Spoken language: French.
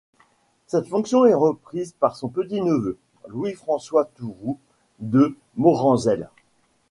Cette fonction est reprise par son petit-neveu, Louis-François Thourou de Moranzel.